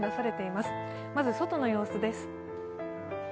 まず外の様子です。